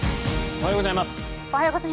おはようございます。